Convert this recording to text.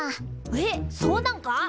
えっそうなんか？